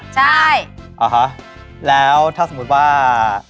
ใช่อ๋อฮะแล้วถ้าสมมุติว่า